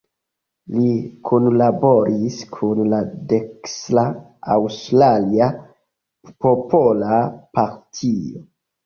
Li kunlaboris kun la dekstra Aŭstria Popola Partio.